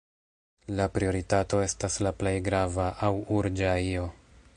La prioritato estas la plej grava aŭ urĝa io.